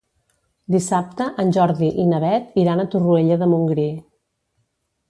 Dissabte en Jordi i na Beth iran a Torroella de Montgrí.